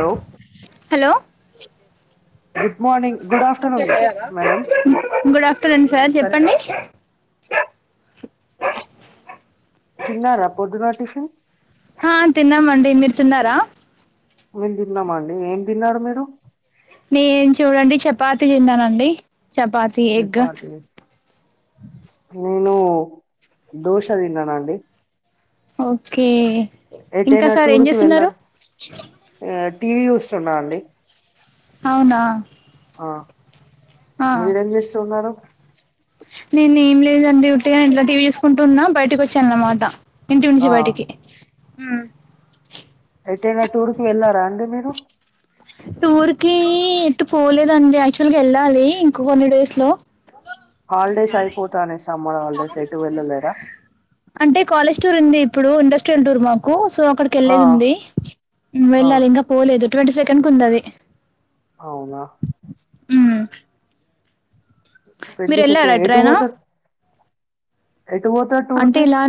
Hello hello good morning good afternoon madam good afternoon sir చెప్పండి తిన్నారా పొద్దునా tiffin హా తిన్నామండి మీరు తిన్నారా మేము తిన్నం అండి ఏం తిన్నారు మీరు నేను చూడండి చపాతి తిన్నానండి చపాతి ఎగ్ చపాతి నేను దోశ తిన్నానండి ఓకే ఇంకా ఎటైనా సార్ ఏం టూర్ కి చేస్తున్నారు వెళ్ళాను టీవీ చూస్తున్నా అండి అవునా ఆ మీరేం చేస్తున్నారు నేనేం లేదండి ఉట్టిగనే ఇంట్ల టీవీ చూసుకుంటున్నా బయటికోచ్చా అన్నమాట ఇంటి నుంచి ఆ బయటికి అయితే ఎన టూరుకు వెళ్ళారం టూరుకి ఎట్టు పోలేదండి యాక్చువల్ గా ఎళ్ళాలి ఇంక కొన్ని డేస్ లో హాల్డేస్ అయిపోతానేస్ అంటే కాలేజ్ టూర్ ఉంది ఇప్పుడు ఇండస్ట్రియల్ టూర్ మాకు సో ఆ అక్కడికెళ్ళేది ఉంది ఆ వెళ్ళాలి ఇంక పోలేదు. ట్వంటీ సెకండ్ కు ఉందది అవునా ఉ ట్వంటీ సెకన్ ఎటు ఎటైనా వోతర్ ఎటు పోతర్ టూర్ అంటే కి ఇలా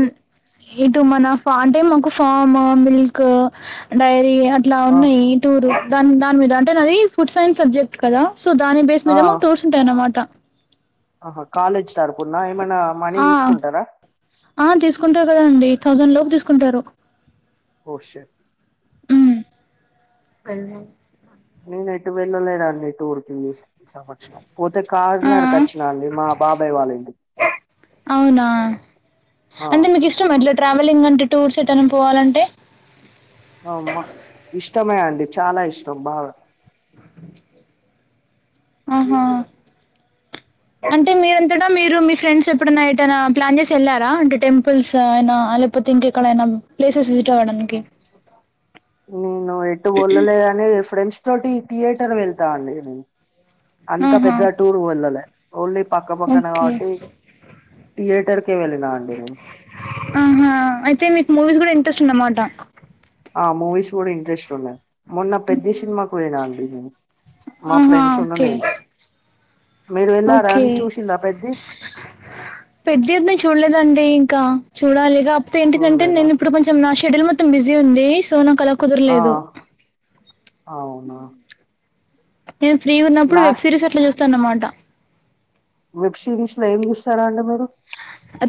ఇటు మన ఫ అంటే మాకు ఫాము మిల్క్ డైరీ ఇ అట్లా ఆ ఉన్నాయి టూరు దాన్ దాని మీద అంటే నాది ఫుడ్ సైన్స్ సబ్జెక్ట్ కదా సో దాని బేస్ ఆ మీదేమో టూర్స్ ఉంటాయి అన్నమాట ఆహా కాలేజ్ తరపున ఏమైనా మనీ ఆ తీసుకుంటారా ఆ తీసుకుంటా కదండి థౌజండ్ లోప్ తీసుకుంటారు ఓ షట్ ఉ అన్నే నేనెటు వెళ్లలేదండి టూర్ కి మిస్ సంవత్సరం పోతే కాజ్ ఆ నగర్ కచ్చినాండి మా బాబాయ్ వాళ్ళింటికి ఆ అంటే మీకిష్టమా ఇట్లా ట్రావెలింగ్ అంటే టూర్స్ ఎటనా పోవాలంటే ఇద్ చాలా ఇష్టం బాగా ఆహా [unintelligible] అంటే మీరంతట మీరు మీ ఫ్రెండ్స్ ఎప్పుడన్నా ఏటైనా ప్లాన్ చేసి వెళ్లారా అంటే టెంపుల్స్ అయినా అ లేపొ తే ఇంకెక్కడైనా ప్లేసెస్ విజిట్ అ అవ్వడానికి నేను ఎటు వోల్లలేగని ఫ్రెండ్స్ తోటి థియేటర్ వెళ్తా అండి నేన్ అంత ఆహా పెద్ద టూర్ కు వెళ్ళాలే ఓన్లీ పక్కపక్కనే ఓకే కాబట్టి థియేటర్ కే వెళ్ళినా అండి నేను ఆహా అయితే మీక్ మూవీస్ కూడా ఇం ట్రెస్టన్నమాట ఆ మూవీస్ కూడా ఇంట్రెస్ట్ ఉన్నది మొన్న పెద్ది సినిమాక్ పొయినా అండి నేను మా ఆహా ఫ్రెండ్స్ ఉన్ను ఓకే నేను మీరు వెళ్ళారా అండ్ చూషిండ్ల పెద్ది పెద్ది ఉంది చూలేదండి కా చూడాలిగ కాకపోతే ఏంటిదంటే చూడలేదా నేను ఇప్పుడు కొంచెం నా షెడ్యూల్ మొత్తం బిజీ ఉంది సో నాక్ అల ఆ కుదర్లేదు అవునా నేను ఫ్రీగున్నప్పుడు లాస్ట్ వెబ్ సిరీస్ అట్లా చూస్తాన్నమాట వెబ్ సిరీస్ ల ఏం చూస్తారండి మీరు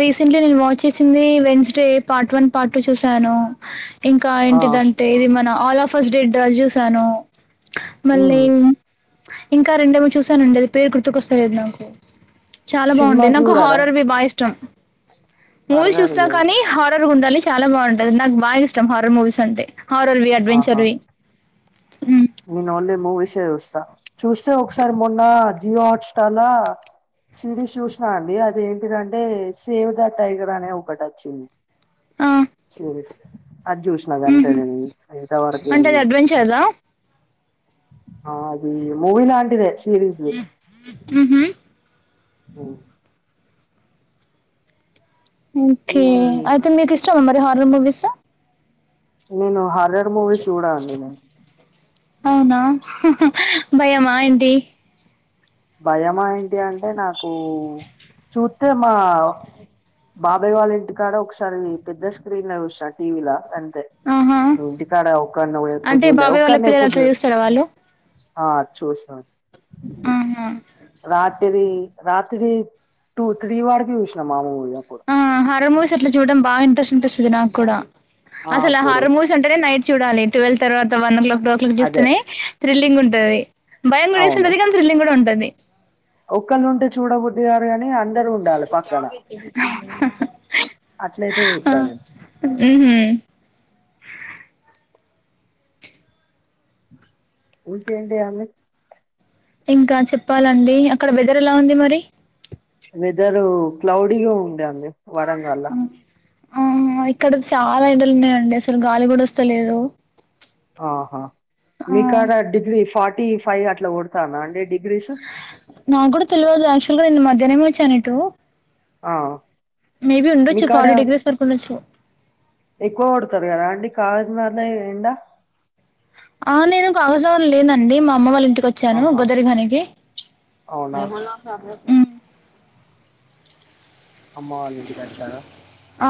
రీసెంట్లీ నేను వాచ్ చేసింది Wednesday part one part two చూశాను ఇంకా ఆ ఏంటిదంటే ఇది మన ఆల్ ఆఫ్ ఫస్ట్ డేడ్ అద్ చూసాను ఉమ్ మళ్ళీ ఇంకా రెండేమో చూసానండి అది పేరు గుర్తుకొస్తాలేద్ నాకు చాలా బాగుంటయి సినిమాస్ నాకు చూడారా హారర్వి బాగిష్టం మూవీస్ హర్రర్ చూస్తా యా కానీ హార్ హారర్ గుండాలి చాలా బాగుంటది నాకు బాగిష్టం హారర్ మూవీస్ అంటే హారర్ వి ఆహా అడ్వెంచర్వి నేను ఓన్లీ మూవీసే చూస్తా చూస్తే ఒక్సారి మొన్న జియో హాట్ స్టార్ ల సిరీస్ చూసిన అండి అదేంటిదంటే సేవ్ ద టైగర్ అనే ఒకటి వచ్చింది ఆ! శీష్ అది చుసిన గంతే హుహు. నేను ఇంతవరకు అంటే అది అడ్వెంచర్‌దా? ఆ అది మూవీ లాంటిదే సిరీసు హుహు. ఉ ఓకే ఈ అయితే మీకు ఇష్టమా మరి హారర్ మూవీస్ నేను హార్రర్ మూవీస్ చూడనండి అవునా భయమా ఏంటి భయమా ఏంటి అంటే నాకు చూస్తే మా బాబాయ్ వాళ్ళ ఇంటికాడ ఒకసారి పెద్ద స్క్రీన్ లో చూసా టీవీ అ ఆహా ఇంటికాడ ఒకన్నే ఎప్పుడు అంటే చూడాలే బాబాయ్ వాళ్ళ ఒక్కన్నే పిల్లలు ఎప్పుడు అట్లా చూడాలే చూస్తారా వాళ్ళు ఆ చూసాం ఆహా రాత్రి రాత్రి టూ త్రీ వరకు చూసిన మా ఊరిలో ఆ హార్రర్ మూవీస్ అట్లా చూడడం బా ఇంట్రెస్ట్ అనిపిస్తుంది నాకు కూడా అసలు ఆ హార్రర్ అంటేనే నైట్ చూడాలి ట్వీల్వ్ తర్వాత వన్ ఓ క్లాక్ కు అట్ల అదే చూస్తూనే థ్రిల్లింగ్ ఉంటంది భయం కూడా అవును వేస్తుంటది కానీ థ్రిల్లింగ్ కూడా ఉంటుంది ఒక్కళ్ళు ఉంటే చూడబుద్దు గారు అని అందరు ఉండాలి పక్కన అట్లయితె ఆ చూతంది ఉహు ఇంకేవి అండీ ఇంకా చెప్పాలండి అక్కడ వెదర్ ఎలా ఉంది మరి వెదరు క్లౌడీగా ఉండే అండి వరంగళ్ల ఆ ఆ ఇక్కడ చాలా ఎండలు ఉన్నాయండి అసలు గాలి కూడా వస్తాలేదు ఆహా మీకాడ అండి డిగ్రీ ఫార్టీ ఫైవ్ అట్లా కొడతానా అండి డి నాకు కూడా తెలియదు యాక్టుల్ల్య్ గా నిన్న మధ్యనమే వచ్చ నీతో ఆ మేబి ఉండొచ్చు మీకాడ ఫార్టీ డిగ్రీస్ వరకు ఉండొచ్చు ఎక్కువ కొడతారు కదా అంటే కాజనాడలో ఎడా ఆ నేను కాగసావ లేనండి మా అమ్మ వాళ్ళ వచ్చాను ఆహా గదరినికి అవునా అమ్మ వాళ్ళ ఇంటికి వచ్చారా ఆ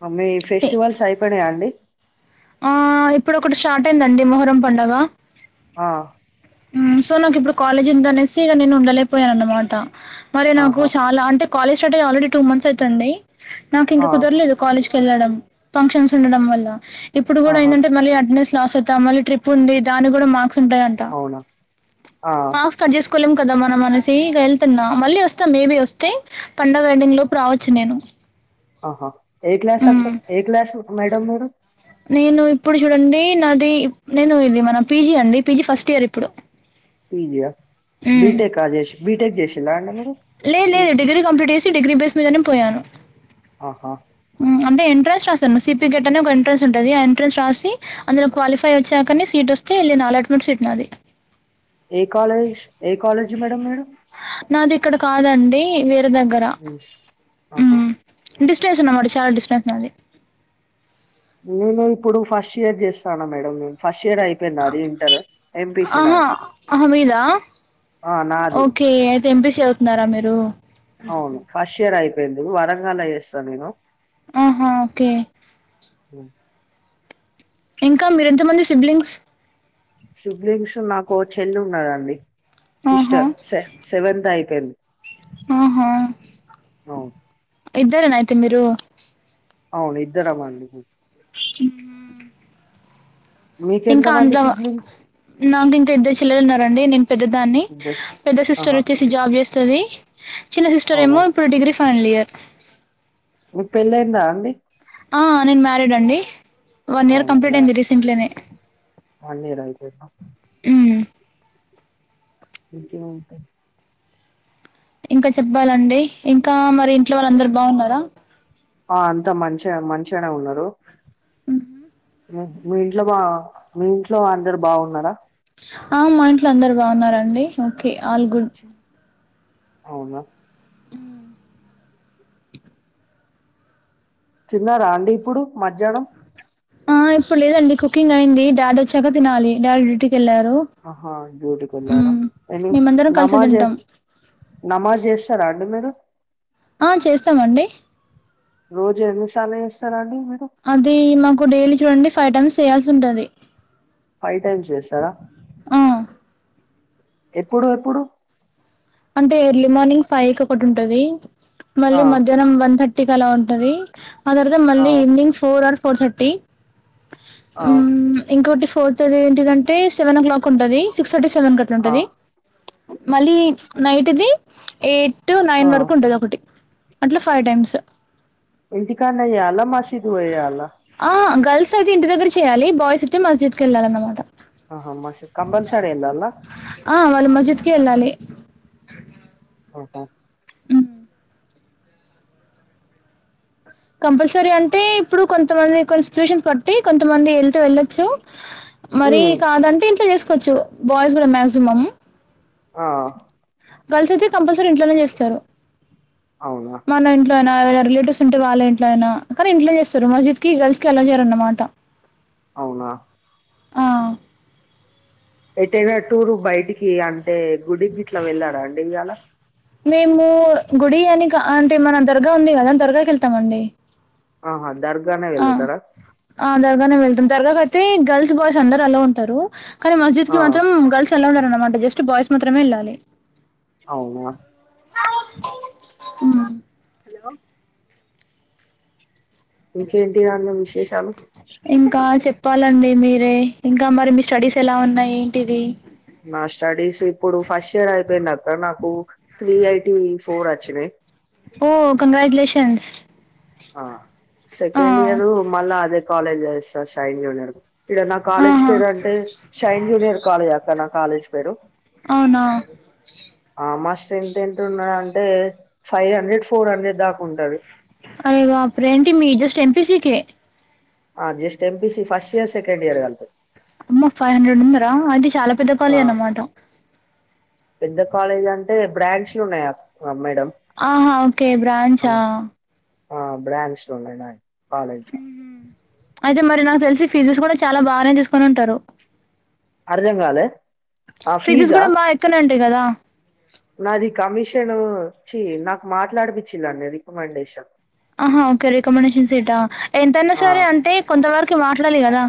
మా మీ ఫెస్టివల్స్ అయిపోనాయా అండి ఆ ఇప్పుడు ఒకటి స్టార్ట్ అయిందండి మొహరం పండుగ ఆ సో నాకు ఇప్పుడు కాలేజ్ ఉందినేసి ఇక నేను ఉండలేపోయాను అనమాట మరి నాకు ఆహా చాలా అంటే కాలేజ్ స్టార్ట్ అయి ఆల్రెడీ టూ మంత్స్ అవుతుంది నాకు ఆ ఇంకా కుదరలేదు కాలజ్ కి వెళ్ళడం ఫంక్షన్స్ ఉండడం వల్ల ఇప్పుడు కూడా ఆహా ఏంటంటే మళ్ళీ అటెండెస్ కలాస అవుతా మళ్ళీ ట్రిప్ ఉంది దాని కూడా మర్క్స్ ఉంటాయంట అవునా ఆ కులం కదా మన మనిసి వెళ్తున్నా మళ్ళీ వస్తా మేబి వస్తే పండగ ఎండింగ్ లోపు రావచ్చు నేను ఆహా ఏ క్లాస్ హ్మ్ ఏ క్లాస్ మేడమ్ మీరు నేను ఇప్పుడు చూడండి నాది నేను ఇది మన పీజీ అండి పీజీ ఫస్ట్ ఇయర్ ఇప్పుడు పీజీ ఆ హ్మ్ బీటెక్ చేసి బీటెక్ చేసిండ్రా అండి మీరు పోయను ఆహా అంటే ఎంట్రెన్స్ రాశాను సి. పి. గేట్ అని ఒక ఎంట్రన్స్ వుంటాది ఎంట్రన్స్ రాసి అందులో క్వాలిఫై వచ్చాకనే సీట్ వస్ త్తే ఎల్లినా లెట్ మెట్ సీట్ నాది ఏ కాలేజ్ ఏ కాలేజ్ మేడమ్ మీరు నాది ఇక్కడ కాదండి వేరే దగ్గర ఉమ్, ఆహా డిస్టెన్స్ ఉన్నా మ చాలా డిస్టెన్స్ మాది నేను ఇప్పుడు ఫస్ట్ ఇయర్ చేస్తానా మేడం ఫస్ట్ ఇయర్ అయిపోయింది నాది ఇంటర్ ఎంపీసీ ఆహా నాది అహ మీదా ఆ నాది ఓకే అయితే ఏం. పి. సి చదువుతున్నారా మీరు అవును ఫస్ట్ ఇయర్ అయిపోయింది వరంగల్లో చేేస్తా నేను ఆహా ఓకే మ్మ్ ఇంకా మీరెంతమంది సిబ్లింగ్స్ సిబ్లింగ్స్ నాకో చెల్ ఉన్నదండి ఆహా సిస్టర్ స సెవెంత్ అయి పయింది ఆహా ఇద్దరేనా అయితే మీరు అవును ఇద్దరమండి ఇంకా మీకెంతమంది అందులో సిబ్లింగ్స్ నాకు ఇంకా ఇద్దరు చెల్లెలు ఉన్నారండి నేను పెద్ద దాన్ని ఇద్దరు పెద్ద సిస్టర్ ఆహా వచ్చేసి జాబ్ చేస్తది చిన్న సిస్టర్ అవునా ఏమో ఇప్పుడు డిగ్రీ ఫైనల్ ఇయర్ మీకు పెళ్ళైంద అండి ఆ నేను మ్యారీడ్ అండి వన్ ఇయర్ అవునా కంప్లీట్ మ్యా అయింది రీసెంట్లీనే వన్ ఇయర్ అయిపోయిందా ఇంకేం అయితే ఇంకా చెప్పాలండి ఇంకా మరి ఇంట్లో వాళ్ళు అందరు బాగున్నారా ఆ అంతా మంచి మంచిగనే ఉన్నారు మ్మ్ హు మ్మ్ మీ ఇంట్లో మా మీ ఇంట్లో అందరు బాగున్నారా ఆ మా ఇంట్లో అందరు బాగున్నారండి ఓకే ఆల్ గుడ్ అవునా మ్మ్ తిన్నార అండి ఇప్పుడు మధ్యానం ఆ ఇప్పుడు లేదండి కుకింగ్ అయింది డాడీ వచ్చాక తినాలి డాడీ డ్యూటీకి వెళ్ళారు ఆహా డ్యూటీకి వెళ్ళాడా మ్మ్. ఎని మేమందరం కలిసి నమాజ తింటాం నమాజ్ చేస్తారా అండి మీరు ఆ చేస్తామండి రోజ ఎన్నిసార్లు చేస్ అది మాకు డైలీ చూడండి ఫైవ్ టైమ్స్ చేయాల్సి ఉంటాది ఫైవ్ టైమ్స్ చేస్తారా ఆ ఎప్పుడు ఎప్పుడు అంటే ఎర్లీ మార్నింగ్ ఫైవ్ క ఒకటి ఉంటది ఆ మళ్ళీ మధ్యాహ్నం వన్ థర్టీ కి అలా ఉంటది ఆ తర్వాత ఆ మళ్ళీ evening four or four thirty ఆ మ్మ్ ఇంకోటి ఫోర్త్ ఏంటిదంటే సెవెన్ ఓ క్లాక్ ఉంటది సిక్స్ తర్టీ సెవెన్ కట్లా ఆ ఉంటది మళ్ళీ నైట్ది ఎయిట్ టూ నైన్ ఆ వరకు ఉంటది ఒకటి అట్లా ఫైవ్ టైమ్స్ ఇంటికాడ్నా చెయలా మస్జిద్ కి పోయి చెయల్నా ఆ! గర్ల్స్ అయితే ఇంటి దగ్గర చెయ్యాలి బాయ్స్ అయితే మస్జిద్కి వెళ్ళాలన్నా మాటా ఆహా మస్జిద్ కంపల్సరీ ఎల్లలా వాళ్లు మస్జిద్కే వెళ్ళాలి ఆహ కంపల్సరీ అంటే ఇప్పుడు కొంతమంది కొన్ని సిచువేషన్స్ బట్టి కొంతమంది ఎల్ తో వెళ్ళొచ్చు మరీ ఉమ్ కాదంటే ఇంట్లో చేసుకోవచ్చు బాయ్స్ కూడా మాక్సిమమ్ ఆ గర్ల్స్ అయితే కంపల్సరీ ఇంట్లోనే చేస్తారు అవునా మన ఇంట్లో అయినా ఎవరైనా రిలేటివ్స్ ఉంట్ టే వాళ్ళ ఇంట్లో అయినా కానీ ఇంట్లో చేస్తారు మస్జిద్ కి గర్ల్స్ కి అలౌ చేయరన్న మాట అవునా ఎటైనా టూరు బయిటికి అంటే గుడికి గిట్లా వెళ్ళారా అండి ఇయ్యాల గుడీ అని క అంటే మన దర్గా ఉంది కదా దర్గాకి ఎళ్తామండి దర్గానే వెళ్ళుతార ఆ దర్గానే వెళ్తాం దర్గాకైయితే గల్స్ బాయ్స్ అందరు అలౌ ఉంటారు కానీ మస్జిద్ కి ఆ మాత్రం గర్ల్స్ అలౌ ఉండరన్నమాట జస్ట్ బాయ్స్ మాత్రమే ఎళ్ళాలి అవునా మ్మ్ ఇంకేంటిదండి విశేషాలు ఇంకా చెప్పాలండి మీరే ఇంకా మరి మీ స్టడీస్ ఎలా ఉన్నాయ్ ఏంటిది నా స్టడీస్ ఇప్పుడు ఫస్ట్ ఇయర్ అయిపోయింది అక్క నాకు త్రీఐటి ఫోర్ అచ్చినాయ్ ఓ కంగ్రాచ్యులేషన్స్ ఆ ఆ సెకండ్ ఇయరు మళ్ళా అదే కాలేజ్ జేసిన షైన్ జూనియర్ ఈడ నా కాలేజ్ ఆహా పేరు అంటే షైన్ జూనియర్ కాలేజ్ అక్క నా కాలేజ్ పేరు అవునా ఆ మా స్ట్రెంత్ ఎంత ఉండుడంటే ఫైవ్ హండ్రెడ్ ఫోర్ హండ్రెడ్ దాకా ఉంటది అరే బాప్రే ఎంటి మీ జస్ట్ ఎంపిసి కే ఆ just MPC first year second year గల్పి అమ్మో ఫైవ్ హండ్రెడ్ ఉన్నారా అయితే చాలా పెద్ద ఆ కాలేజ్ అన్నమాట పెద్ద కాలేజ్ అంటే బ్రాంచ్లు ఉన్నాయా మేడం ఆహా ఓకే బ్రాంచా అవును ఆ బ్రాంచ్లు ఉన్నాయ్ మా కాలేజ్ ల అయితే మరి నాకు తెలిసి ఫీసెస్ కూడా చాలా బానే తీసుకొని ఉంటారు అర్థం కాలే ఆ ఫీజా తే గదా నాది కమిషను ఛీ నాకు మాట్లాడపిచ్చిందండి రికమెండేషన్ ఆహా ఓకే రికమండేషన్ సీటా ఎంతైనా ఆ సరే అంటే కొంతవరికి వ చుడాలి గదా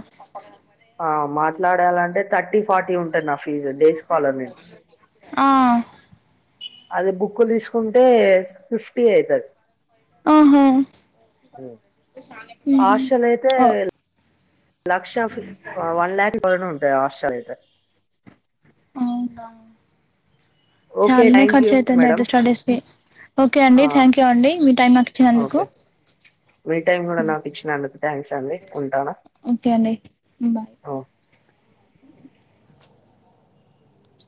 ఆ మాట్లాడాలంటే థర్టీ ఫార్టీ ఉంటది నా ఫీజు డేస్ కాలర్ నేను ఆ అది బుక్కు తీసుకుంటే ఫిఫ్టీ అయితది ఆహా మ్మ్. హాస్టల్ అయితే ఓ లక్షా ఫిఫ్ వన్లాక్ వరకు ఉంటయి హాస్టల్ అయితే అవునా ఓకే చాలానే థ్యాంక్ ఖర్చు యూ అయితుంది మేడం అయితే స్టడీస్‌కి ఓకే ఆ అండి థ్యాంక్ యూ అండి మీ టైం నాకు ఇచ్చినందుకు ఓకే మీ టైమ్ కూడా నాకు ఇచ్చినందుకు థ్యాంక్స్ అండి ఉంటాను ఓకే అండి బాయ్